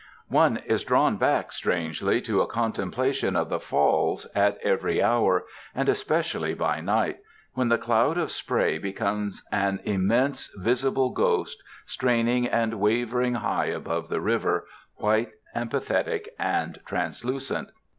One is drawn back, strangely, to a contemplation of the Falls, at every hour, and especially by night, when the cloud of spray becomes an immense visible ghost, straining and wavering high above the river, white and pathetic and translucent.